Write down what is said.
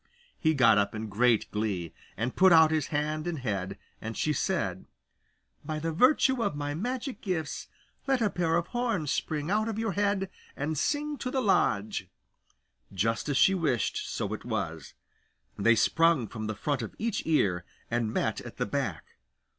He got up in great glee, and put out his hand and head; and said she, 'By the virtue of my magic gifts, let a pair of horns spring out of your head, and sing to the lodge.' Just as she wished, so it was. They sprung from the front of each ear, and met at the back.